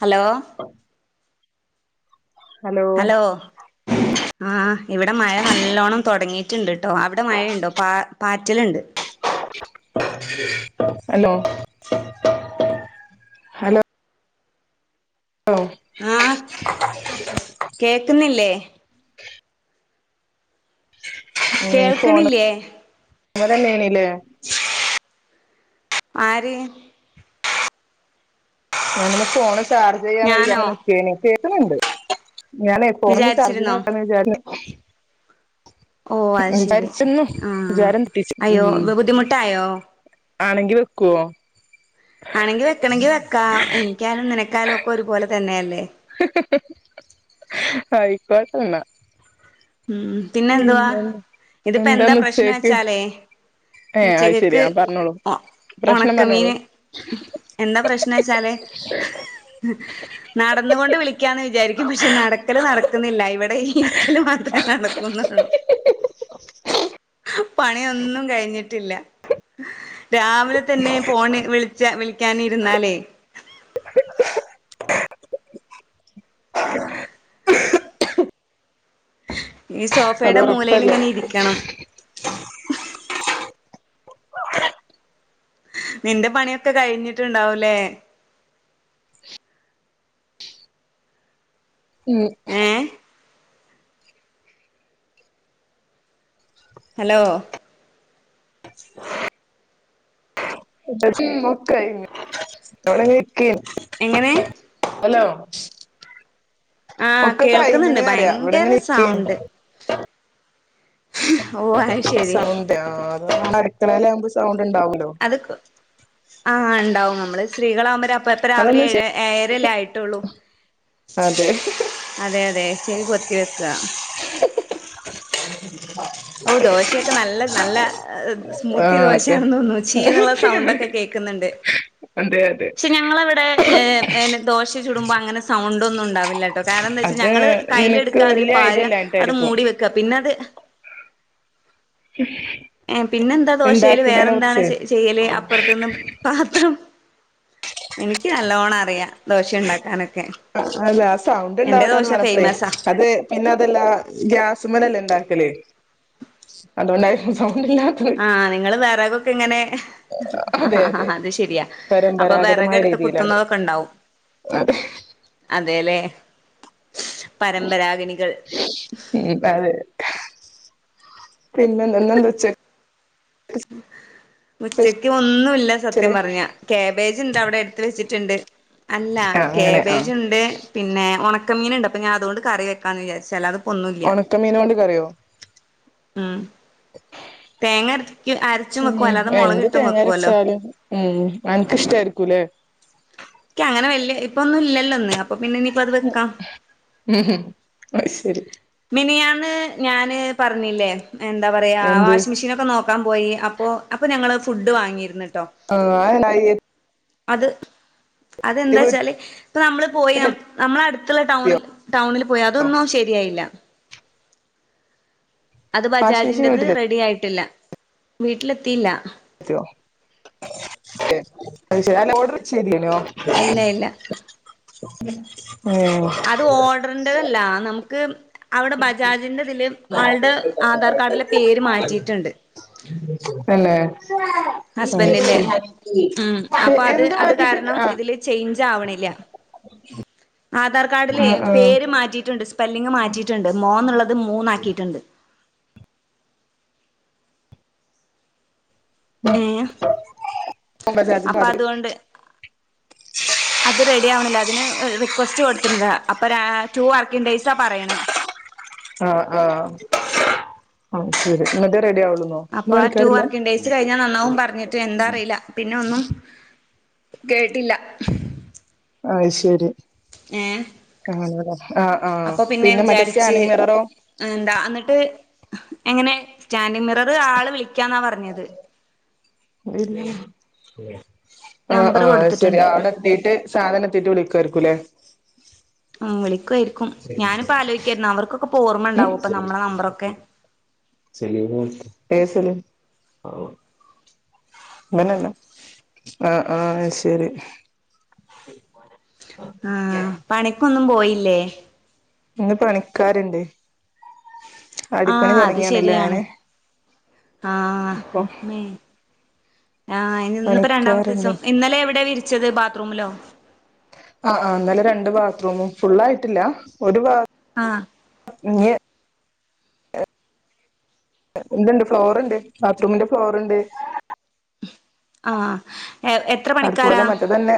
Hello hello ആ ഇവിടെ മഴ നല്ലോണ്ണം തോടങ്ങി റ്റ്ണ്ട് ട്ടോ അവിടെ മഴണ്ടോ പ പാറ്റല്ണ്ട് ഹലോ ഹലോ ഓ കേക്ന്നില്ലേ കേൾക്ണില്ലേ [unintelligible] ണില്ലേ ആര് ഞങ്ങള് ഫോണ് ചാർജ് ഞാനോ ചെയ്യാന്നങ്ങനെ നിക്കെനി കേക്ന്ണ്ട് ഞാനെ ഫോൺ ചാർജിലാ വിചാരിച്ചിരുന്നോ പെട്ടന്ന് വിചാരം ഓ അത് ശരി ആഹ് അയ്യോ [unintelligible] ബുദ്ധിമുട്ടായോ ആണെങ്കി വെക്കോ ആണെങ്കി വെക്കണങ്കി വെക്കാ എനിക്കാലും ന്നിനെക്കായാലും ഒക്കെ ഒരുപോലെ തന്നെ അല്ലേ അയ്ക്കോട്ടെന്ന ഉം പിന്നെ എന്ത് വാ ഇതിപ്പ എന്താ എന്താന്ന് പ്രശ്നം ഉച്ചേക്ക് ച്ചാലേ ന്ന് ഏഹ് അത് ശെരി ഉച്ചകക്ക് ആഹ് പറഞ്ഞോളൂ പ്രശ്നം പറഞ്ഞോളൂ ഒണക്കമീന് എന്താ പ്രശ്നം ച്ചാല് നടന്കൊണ്ട് വിളിക്കാന്ന് വിചാരിക്കും പക്ഷെ നടക്കല് നടക്കുന്നില്ല ഇവിടെ ഇരിക്കല് മാത്രേ നടക്കുന്നൊള്ളൂ പണിയൊന്നും കഴിഞ്ഞിട്ടില്ല രാവിലെ തന്നെ ഫോണ് വിള്ച്ച വിളിക്കാന് രുന്നാലേ ഈ അത് സോഫയുടെ മൂലെയ്ലി ഒറപ്പല്ലേ ങ്ങനെ ഇരിക്കണം നിന്റെ പണിയൊക്കെ കഴിഞ്ഞിട്ട്ണ്ടാവുല്ലേ ഉം ഏ ഹലോ [unintelligible] കൈഞ്ഞു [unintelligible] ക്കി എങ്ങനെ ഹലോ! ആ ഒക്കെ കേൾക്കുന്നുണ്ട് കയ്‌ഞ്ണ് റയ ഭയങ്കര ഇവടെങ്ങനെ ഇരിക്കേനു സൗണ്ട് ഓ അത് ശരി സൗണ്ട് ആ അത് നമ്മളട്ക്കളേലാമ്പോ സൗണ്ട് ഉണ്ടാവൂല്ലോ അത്ക്കു ആ ണ്ടാവും നമ്മള് സ്ത്രീകളാവുമ്പോ പ്പൊ രാവിലെ അതൊന്നും ശ ഏഴ ഏഴരല്ലേ ആയിട്ടുള്ളു അതെ അതെ ചെവി പൊത്തി വെക്ക [inaudible] ഓ ദോശയൊക്കെ നല്ല നല്ല ആ സ്മൂത്തി അതെ ദോശാണെന്ന് തോന്നുന്നു ചീ ന്നുള്ള സൗണ്ടൊക്കെ കേക്ന്ന്ണ്ട് അതെ അതെ ക്ഷെ ഞങ്ങളവടെ ഏഹ് ഏന്നട്ട് ദോശ ചുടുമ്പോ അങ്ങനെ സൗണ്ടൊന്നും ണ്ടാവില്ലട്ടോ, കാരണം എന്താച്ചാ അത് ഞങ്ങള് നിനക്ക് കയ്‌ലെട്ക്ക അതിൽ പ വല്യ ഐഡിയ പാരാ, അത് ഇല്ലാഞ്ഞിട്ടായിരിക്കും മൂടിവെക്ക പിന്നത് [unintelligible] ഏ പിന്നെന്താ ദോശേല് ഇണ്ടാക്കുന്നതിനെ വേറെന്താണ് കുറിച്ച് ചെ ചെയ്യല്, അപ്പർത് ന്ന്പാത്രം എനിക്ക് നല്ലോണം അറിയാ ദോശണ്ടാക്കാനൊക്കെ അല്ലാ ആ സൗണ്ട് ണ്ടാവൂലാന്ന് പറഞ്ഞപ്ലെ ഫേമസാ അത് പിന്നെ അതല്ലാ ഗ്യാസ്മ്മലല്ലേ ഇണ്ട ക്കല്, അതോണ്ടായിരിക്കും സൗ ആ നിങ്ങള് വെറകൊക്കെ ഇങ്ങനെ ഹ അതെ ഹ അതെ ഹ അത് ശരിയാ അപ്പൊ വെറക് എട് ട്ട് കുത്തുന്നതൊക്കെ ണ്ടാവും അ [unintelligible] അതേലേ, പരമ്പരാഗിനികൾ. പിന്നെന്ത ഇന്നെന്താ ഉച്ച ഉച്ചയ്ക്ക് ഒന്നുല്ല സത്യം സ്പെഷ്യല് പറഞ്ഞ, കേബേജ്ണ്ടവടെട്ത്ത് വെച്ചി ചിണ്ട് അല്ല ആ അങ്ങനെ ആ കേബേജ്ണ്ട് പിന്നെ ഒണ ക്ക മീന്ണ്ട്, അപ്പ ഞാ അതോണ്ട് കറി വെക്കാന്ന് വിചാര്ച്. അല്ലാത് ഒണക്കമീനോണ്ട് കറിയോ? ഉം തേങ്ങരച്ച് പിന്നെ, എന്ത് തേങ്ങരച്ചാലും ഉം അൻക്കിഷ് ടെർക്കൂലേ ക്യാ അങ്ങനെ വെല്യേ ഇപ്പൊന്നും ഇല്ലല്ലോ ന്ന് പിന്നെനിപ്പത് വെക്കാം ഉം അത് ശരി മിനിഞാന് ഞാന് പറഞ്ഞില്ലേ എന്താ പറയാ എന്ത് വാഷി മെഷീനൊക്കെ നോ നോക്കാൻ പോയി, അപ്പോ അപ്പൊ ഞങ്ങള്ഫുഡ് വാങ്ങീര്ന്ന് അ ആ അയന്നായി അത്, അതെന്താച്ചാല് ഇപ്പനമ്മള് പോയി വീട്ടിലെത്തിയോ നമ്മളട്ത്ള്ള ടൗണ്ന്ന് ടൗണില് പോയി, അതൊന്നും ശരിയായില്ല. അത് വാഷിംഗ് മെഷീൻ ബജാജിന്റത് വീട്ടിലെത്തിയോ റെഡി ആയിട്ടില്ല വീട്ടിലെത്തില്ല ത്തിയോ അയ്‌ശരി അല്ല ഓർഡർ ചെയ്തില്ലേനോ ഇല്ലയില്ല [inaudible] അത് ഓർഡറിന്റതല്ല, നമുക്ക് അവടെ ബജാജിന്റെതില് ആൾടെ ആധാർ കാഡിലെ പേര് മാറ്റിയിട്ട ണ്ട് [unintelligible] അത് ഹസ്ബന്റിന്റെ ശരി ഉം അപ്പൊത് എന്ത് അത് മാറ്റിട്ടുണ്ട് കാരണം ആഹ് ഇതില് ചേഞ്ച് ആവണില്ല അ [inaudible] ആധാർ കാർഡിലെ ആഹ് ആഹ് പേര് മാറ്റിയിട്ടുണ്ട്, സ്പെല്ലിംഗ് മാറ്റിയിട്ടുണ്ട്, മോ ന്നുള്ളത്. അത് മൂന്നാക്കിയിട്ടുണ്ട്. ഏ ബജാജിന്റെ അപ്പൊ മാതിരി അതുകൊണ്ട് അത് റെഡി ആവണില്ല. അതിന് റിക്വസ്റ്റ് കൊടുത്തിട്ടുണ്ട്. അപ്പൊ ണ്ടെയ്സാ പറയണേ ആ ആ അ ശരി എന്നിട്ട്? അപ്പൊ? ആ ട്ടു വർക്കിങ് ഡേയ്സ് കഴിഞ്ഞാ നന്നാവും. പറഞ്ഞിട്ട് എന്താ അറിയില്ല. പിന്നെ ഒന്നും. കേട്ടില്ല അ ശരി ങ്ങെ കാണൂല ആഹ് ആഹ് അപ്പൊ പിന്നെ മറ്റേ വിചാരിച്ച് സ്കാനിങ് മിററോ എന്താ അന്നിട്ട് എങ്ങനെ സ്റ്റാൻഡ്മിറ റ് ആള് വിളിക്കാന്നാ പറഞ്ഞത്. [unintelligible] ആ നമ്പർ ആ ശരി കൊടുത്തിട്ടുണ്ട് അവിടെ എത്തിയിട്ട് സാധനം എത്തിയിട്ട് വിളിക്കായിരിക്കൂല്ലേ? വിളിക്കുയായിരിക്കും. ഞാനിപ്പ ആലോയിക്കായിരുന്നു. അവർക്കൊക്കെപ്പോ ഓർമ്മ ഉണ്ടാവും പ്പൊ നമ്മളെ നമ്പറൊക്കെ? [unintelligible] ങ്ങ ന ല്ല ആ ആ ശരി ആ പണിക്കൊന്നും പോയില്ലേ? ഇന്ന് പണിക്കാരുണ്ട്. അടിപ്പണി ആഹ് അത് തുടങ്ങിയാണല്ലേ ശരിയാണ് ഞാന് ആഹ് അപ്പൊ ആ ഇന്നിപ്പോ രണ്ടാമത്തെ പണിക്കാരുണ്ട് ദിവസം. ഇന്നലെ എവിടെ വിരിച്ചത് ബാത്റൂമിലോ? ആ ആ ഇന്നല്ലേ രണ്ട് ബാത്റൂമും. ഫുൾ ആയിട്ടില്ല. ഒരു ബാത് ആ [inaudible] ഇന്ന്ണ്ട് ഫ്ലോർ ഇണ്ട്. ബാത്ത്റൂമിന്റെ ഫ്ലോർ ഇണ്ട്. ആ അതുപോലെ മറ്റേ തന്നെ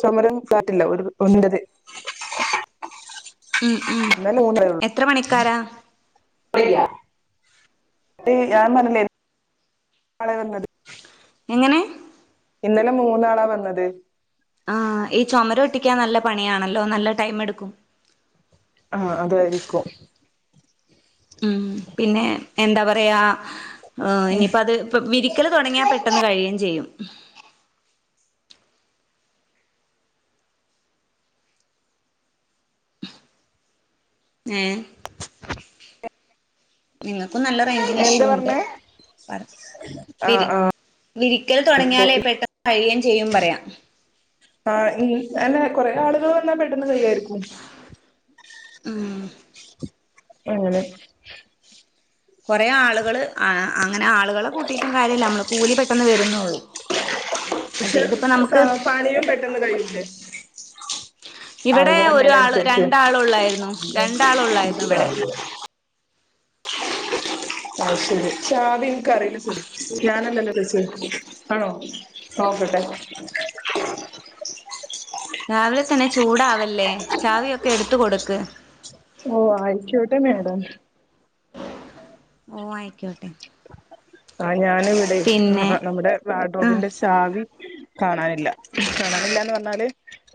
ചു മരും കാട്ടില്ല ഒന്ന്ന്റ ത് ഉം ഉം മൂന്നേ ഉള്ളൂ എത്ര പണിക്കാരാ [unintelligible] തേ ഞാൻ പറഞ്ഞില്ലേ നളെ വന്നത്. എങ്ങനെ? ഇന്നലെ മൂന്നാളാ വന്നത്. ആ ഈ ചുമര് ഒട്ടിക്കാൻ നല്ല പണിയാണല്ലോ? നല്ല ടൈം എടുക്കും. ആ അതായിരിക്കും. ഉം പിന്നെ എന്താ പറയാ ഇനിയിപ്പ അത് ഇപ്പ വിരിക്കല് തുടങ്ങിയാൽ പെട്ടെന്ന് കഴിയും ചെയ്യും. [inaudible] ങേ നിങ്ങൾക്കും നല്ല റേയിഞ്ചിന് ഇഷ്യൂ എന്താ ഉണ്ട്. പറഞ്ഞേ പറ വിരി ആഹ് ആഹ് വിരിക്കൽ ഇപ്പൊ തുടങ്ങിയാലേ? പെട്ടെന്ന് കഴിയും ചെയ്യും പറയാ. ആ അന്നെ കൊറെ ആളുകൾ വന്നാ പെട്ടന്ന് കയ്യായിരിക്കും. ഉം അങ്ങനെ കുറേ ആളുകള് ആ അങ്ങനെ ആളുകളെ കൂട്ടിയിട്ടും കാര്യല്ല നമ്മള് കൂലി പെട്ടെന്ന് വരുന്നുള്ളൂ. പക്ഷെ പ പണിയും പെട്ടെന്ന് കഴയില്ലേ? ഇവിടെ ആളുകളില്ലേൽ ഒരാള് അനുസരിച്ച് രണ്ടാളുള്ളായിരുന്നു രണ്ടാളുള്ളായിരുന്നു ഇവിടെ [unintelligible] [unintelligible] രാവിലെ തന്നെ ചൂടാവല്ലേ? ചാവിയൊക്കെ എടുത്ത് കൊടുക്ക്? ഓ ആയിക്കൊട്ടെ മെഡം. ഓ ആയിക്കോട്ടെ ആ ഞാനവിടെ പിന്നെ ആ നമ്മുടെ ആഹ് വാഡ്രോബിന്റെ ചാവി കാണാനില്ല കാണാനില്ലന്ന് പറഞ്ഞാല്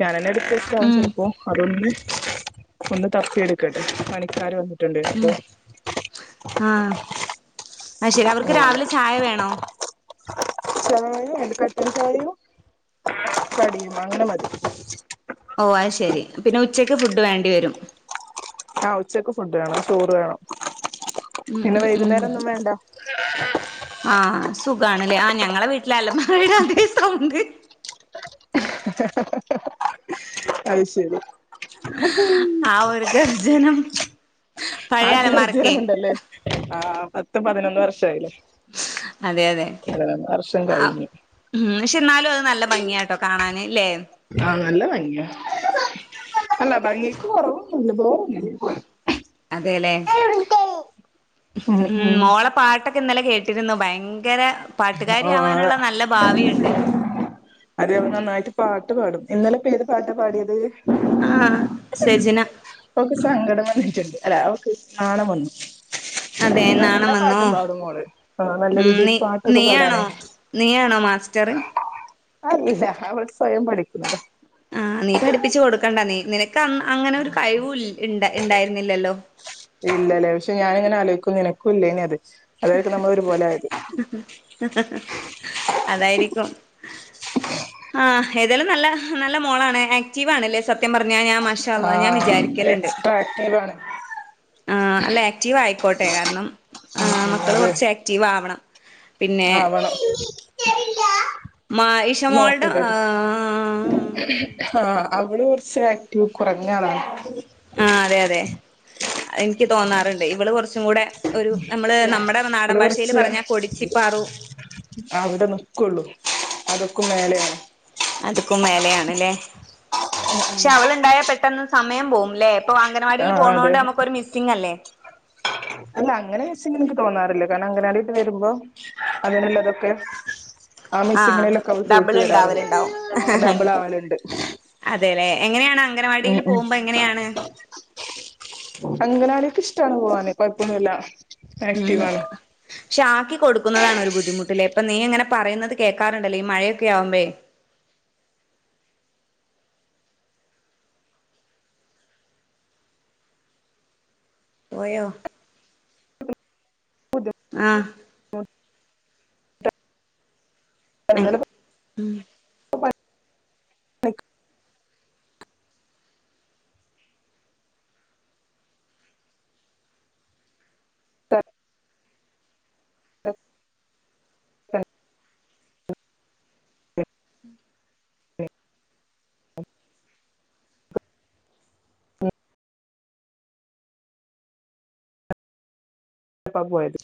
ഞാൻന്നെ എടുത്തച്ചാവും ഉം ചെലപ്പോ അതൊന്ന ഒന്ന് തപ്പിെടുക്കട്ടെ പണിക്കാർ വന്നേനെ ഉം ആ ആ ശരി അവർക്ക് രാവിലെ ചായ വേണോ ചായീം അ കട്ടൻ ചായീം കടിയും അങ്ങനെ മതി ഓ അത് ശെരി പിന്നെ ഉച്ചക്ക് ഫുഡ് വേണ്ടി വരും ആ ഉച്ചക്ക് ഫുണ്ട് വേണം ചോറ് വേണം ഉം പിന്നെ ഉം ഉം വൈകുന്നേരം ഒന്നും വേണ്ട സുഖണല്ലേ ആ ഞങ്ങളടെ വീട്ടിലെ അലമാരയുടെ അതേ സൗണ്ട് അത് ശരി ഉ ആ ഒരു ഗർജനം പഴയ ആർജ്ജന അലമാരക്കെ ഉണ്ടല്ലേ ആ പത്തും പതിനൊന്ന് വർഷ ആയില്ലേ അതെ അതെ വർഷം ആ കഴിഞ്ഞു ഉം പക്ഷെ എന്നാലും അത് നല്ല ഭംഗിയാട്ടോ കാണാൻ ആ നല്ല ഭംഗിയ അല്ല ഭംഗിയക്ക് കുറവൊന്നുല്ല അതെലേ ഉം ഉ ഉം മോളെ പാട്ടൊക്കെ ഇന്നലേ കേട്ട ഇിട്ടിരുന്നു ഭയങ്കര പാട്ടുകാരി ആഹ് ആവാനുള്ള നല്ല ഭാവിയുണ്ട് അത നന്നായിട്ട് പാട്ട് പാടും ഇന്നലെ ഇപ്പം ഏത് പാട്ടാ പാടിയ ആഹ് സെജിന ഓക്കെ സങ്കടം വന്നിട്ടുണ്ട് അല്ല അവക്ക് നാണം വന്നു അതെ എല്ല നാണം വന്നോ പാട്ടും പാടുന്നോള് നല്ല ഉം രീതിയിൽ പട്ട നീ ആണോ നീയാണോ മാസ്റ്റർ അല്ല അവൾ സ്വയം പഠിക്കുന്നത് ആഹ് നീ പഠിപ്പിച്ചു കൊടുക്കണ്ട നീ നിനക്ക് അങ്ങനെ ഒരു കഴിവും ഇണ്ട ഉണ്ടായിരുന്നില്ലല്ലോ ഇല്ലല്ലേ പക്ഷെ ഞാന ഇങ്ങനെ ആലോചിക്കും അത് നിനക്കും ഇല്ലേ നി അത് അതായിരിക്കും നമ്മള ഒരുപോലെ ആയത് അതായിരിക്കും ആ ഏതായാലും നല്ല നല്ല മോളാണ് ആക്റ്റീവ് ആണല്ലേ സത്യം പറ പറഞ്ഞ ഞാൻ മഷ അല്ലാ ഞാൻ ആഹ് വിചാരിക്കലുണ്ട് എക്സ്ട്രാ ആക്റ്റീവ് ആണ് ആ അല്ല ആക്റ്റീവ് ആയിക്കോട്ടെ കാരണം ആ ഉം മക്കള് കുറച്ച് ആക്റ്റീവ് ആവണം പിന്നെ ആ വേണം മാ ഇഷമോൾടെ നോക്കട്ടട്ട ആ അവള് കുറച്ച് ആക്ടി കുറഞ്ഞളാണ് ആ അതെ അതെ എനിക്ക് തോന്നാറുണ്ട് ഇവള് കുറച് കുറച്ചും കൂടെ ഒരു നമ്മള് നമ്മുടെ നാടൻ അവള് ഭാഷയിൽ കുറച്ച് പറഞ്ഞാ കൊടിച്ചിപ്പാറു അവിടെ ന്ക്കൊള്ളൂ അത്ക്കും മേലയാണ് അതക്കും മേലയാണല്ലേ പക്ഷെ അവളുണ്ടായാ പെട്ടെന്ന് സമയം പോവുംല്ലേ ഇപ്പൊ ആ അംഗൻവാടിൽ പോണ അതെ കൊണ്ട് നമുക്കൊരു മിസ്സിംഗ അല്ലേ അല്ല അങ്ങനെ മിസ്സിങ് എനിക്ക് തോന്നാറില്ല കാരണം അംഗനവാടി വിട്ടു വരുമ്പോൾ അതിനുള്ളതൊക്കെ ആ ആഹ് മിസ്സിങ്ങിനലൊക്കെ അവൾ ഡബിൾ തീർത്ത് തരാറുണ്ട് ഉണ്ടാവലുണ്ടാവും ഡബിൾ ആവലുണ്ട് അതെല്ലേ എങ്ങനെയാണ് ഉം അംഗനവാടിയിൽ പോകുമ്പോ എങ്ങനെയാണ് ഉ അംഗനവാടി ഒക്കെ ഇഷ്ടാണ് ഇ പോവാനെ കുഴപ്പമന്നുല്ല ഉം പക്ഷെ ആക്കി കൊടുക്കുന്നതാണ ഒരു ബുദ്ധിമുട്ടില്ലേ അപ്പൊ നീ എങ്ങനെ പറയുന്നത് കേക്കാറുണ്ടല്ലോ ഈ മഴയൊക്കെ ആവുമ്പേ പോയോ ആഹ ആഹ [inaudible] ഉം [inaudible] [unintelligible] [unintelligible] പോയത്